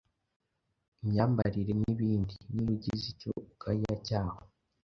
imyambarire, n’ibindi. N’iyo ugize icyo ugaya cyaho